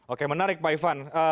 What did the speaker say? oke menarik pak ivan